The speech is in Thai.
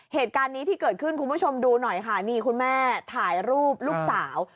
เหตุการณ์นี้ที่เกิดขึ้นคุณผู้ชมดูหน่อยค่ะนี่คุณแม่ถ่ายรูปลูกสาว